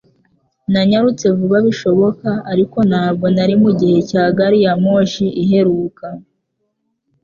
Nanyarutse vuba bishoboka, ariko ntabwo nari mugihe cya gari ya moshi iheruka.